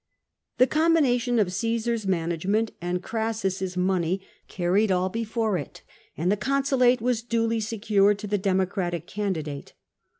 The combination of Caesar's management and Crassus's money carried all before it, and the consulate was duly secured to the Democratic candidate.